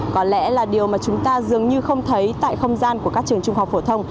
có lẽ là điều mà chúng ta dường như không thấy tại không gian của các trường trung học phổ thông